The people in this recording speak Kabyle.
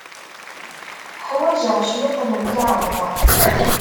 Ḥwajeɣ cwiṭ n lkaɣeḍ.